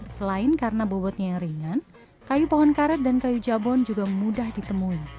selain karena bobotnya yang ringan kayu pohon karet dan kayu jabon juga mudah ditemui